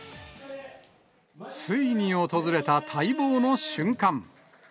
ついに訪れた待望の瞬間。